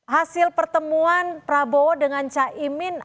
hasil pertemuan prabowo dengan caimin